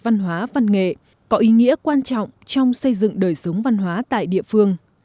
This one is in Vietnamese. văn hóa văn nghệ có ý nghĩa quan trọng trong xây dựng đời sống văn hóa tại địa phương